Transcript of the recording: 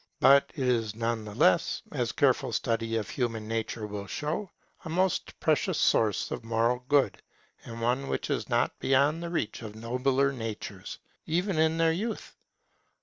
But it is none the less, as careful study of human nature will show, a most precious source of moral good, and one which is not beyond the reach of nobler natures, even in their youth.